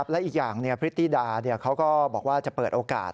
และอีกอย่างพลิตติดาว่าจะเปิดโอกาส